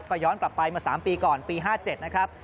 ก็ย้อนกลับไปเมื่อ๓ปีก่อนปี๕๗นะครับ